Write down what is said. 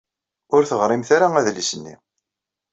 Ur teɣrimt ara adlis-nni.